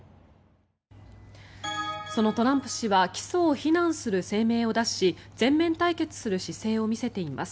そのトランプ氏は起訴を非難する声明を出し全面対決する姿勢を見せています。